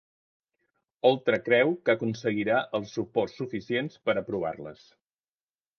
Oltra creu que aconseguirà els suports suficients per aprovar-les